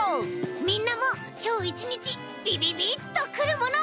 みんなもきょういちにちビビビッとくるもの。